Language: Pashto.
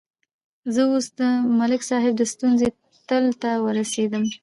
زه اوس د ملک صاحب د ستونزې تل ته ورسېدلم.